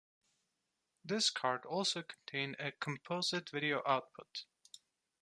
This card also contained a composite video output.